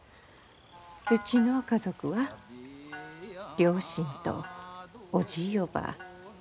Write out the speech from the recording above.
うちの家族は両親とおじぃおばぁ